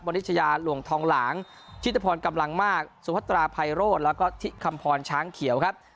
นิชยาหลวงทองหลางชิตพรกำลังมากสุพัตราภัยโรธแล้วก็ที่คำพรช้างเขียวครับ